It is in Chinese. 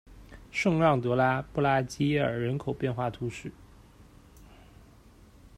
圣让德拉布拉基耶尔人口变化图示